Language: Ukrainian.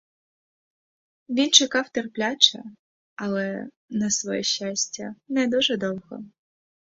Він чекав терпляче, але, на своє щастя, не дуже довго.